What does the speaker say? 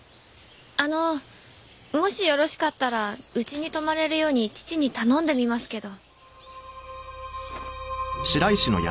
あのもしよろしかったらうちに泊まれるように父に頼んでみますけど。